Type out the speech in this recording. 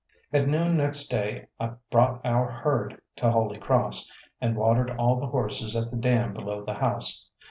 At noon next day I brought our herd to Holy Cross, and watered all the horses at the dam below the house.